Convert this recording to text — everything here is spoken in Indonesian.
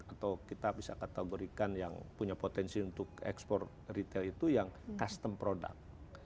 atau kita bisa kategorikan yang punya potensi untuk ekspor retail itu yang custom product